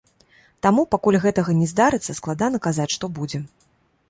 Таму, пакуль гэтага не здарыцца, складана казаць, што будзе.